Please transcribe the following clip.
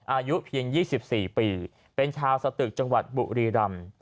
อายุเพียง๒๔ปีเป็นชาวสตึกจังหวัดบุรีรำ